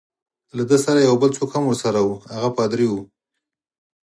له ده سره یو بل څوک هم ورسره وو، هغه پادري وو.